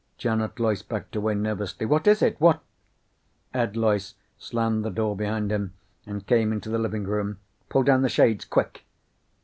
Janet Loyce backed away nervously. "What is it? What " Ed Loyce slammed the door behind him and came into the living room. "Pull down the shades. Quick."